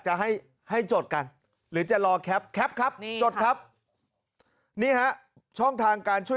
จะให้ให้จดกันหรือจะรอแคปแคปครับจดครับนี่ฮะช่องทางการช่วย